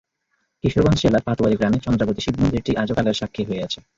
কিশোরগঞ্জ জেলার পাতুয়ারি গ্রামে চন্দ্রাবতীর শিবমন্দিরটি আজও কালের সাক্ষী হয়ে আছে।